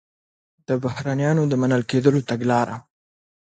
د بهرنیانو د منل کېدلو تګلاره